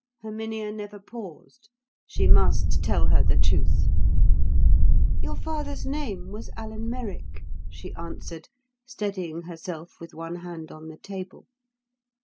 Herminia never paused. She must tell her the truth. "Your father's name was Alan Merrick," she answered, steadying herself with one hand on the table.